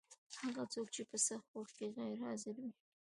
هغه څوک چې په سخت وخت کي غیر حاضر وي